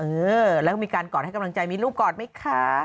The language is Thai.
เออแล้วก็มีการกอดให้กำลังใจมีรูปกอดไหมคะ